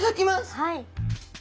はい。